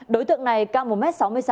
đối tượng này cao một m sáu mươi sáu